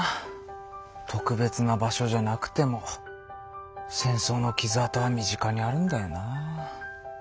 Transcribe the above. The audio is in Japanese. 特別な場所じゃなくても戦争の傷痕は身近にあるんだよな。